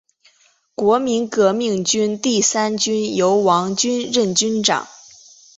国民革命军第三军由王均任军长。